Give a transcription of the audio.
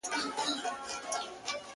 شپه تر سهاره مي لېمه په الاهو زنګوم؛